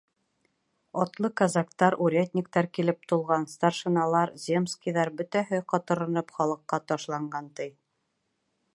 Атлы казактар, урядниктар килеп тулған, старшиналар, земскийҙар, бөтәһе ҡотороноп, халыҡҡа ташланған, ти.